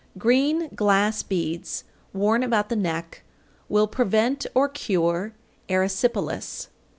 795. Green glass beads worn about the neck will prevent or cure erysipelas.